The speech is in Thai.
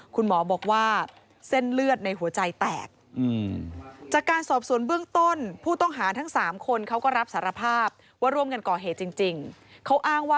เคยมีเรื่องกันมาก่อนค่ะ